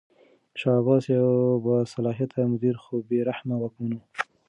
شاه عباس یو باصلاحیته مدیر خو بې رحمه واکمن و.